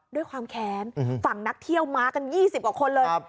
ด้วยความแค้นฝั่งนักเที่ยวมากัน๒๐กว่าคนเลย